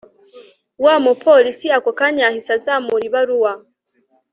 Wamupolice akokanya yahise azamura ibaruwa